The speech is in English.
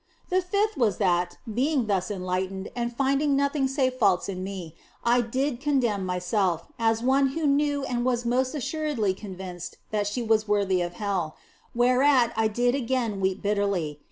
The fifth was that, being thus enlightened, and finding nothing save faults in me, I did condemn myself, as one who knew and was most assuredly convinced that she was worthy of hell ; whereat I did again weep bitterly.